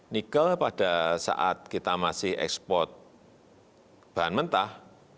nikel pada saat kita masih ekspor bahan mentah